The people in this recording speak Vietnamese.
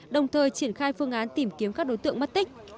đồng thời triển khai phương án tìm kiếm các đối tượng mất tích